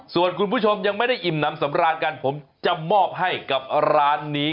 ส่วนคุณผู้ชมยังไม่ได้อิ่มน้ำสำราญกันผมจะมอบให้กับร้านนี้